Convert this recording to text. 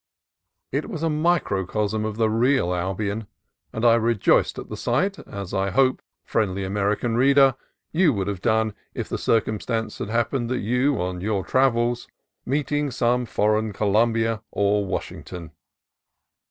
It was a microcosm of the real Albion, and I rejoiced at the sight, as I hope, friendly American reader, you would have done if the circumstance had happened to you on your trav els, meeting some foreign Columbia or Washing ton.